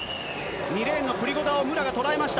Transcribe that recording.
２レーンのプリゴダを武良が捉えました。